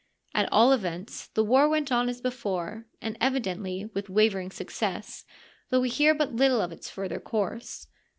At all events, the war went on as before, and evidently with wavering success, though we hear but little of its further course.